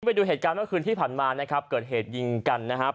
ไปดูเหตุการณ์เมื่อคืนที่ผ่านมานะครับเกิดเหตุยิงกันนะครับ